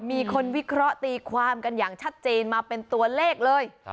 มีคนวิเคราะห์ตีความกันอย่างชัดเจนมาเป็นตัวเลขเลย